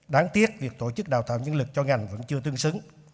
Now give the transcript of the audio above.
đáng tiếc việc tổ chức đào tạo nhân lực cho ngành vẫn chưa tương xứng